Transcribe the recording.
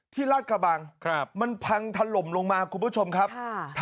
ที่ราชกระบังครับมันพังถล่มลงมาคุณผู้ชมครับค่ะ